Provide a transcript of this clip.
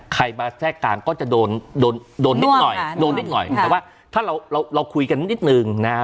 ใครมาแทรกกลางก็จะโดนนิดหน่อยแต่ว่าถ้าเราคุยกันนิดนึงนะ